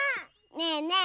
ねえねえ